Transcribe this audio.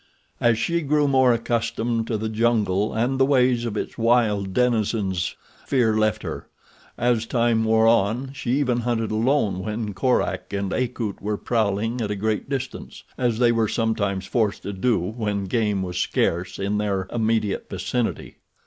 As she grew more accustomed to the jungle and the ways of its wild denizens fear left her. As time wore on she even hunted alone when Korak and Akut were prowling at a great distance, as they were sometimes forced to do when game was scarce in their immediate vicinity.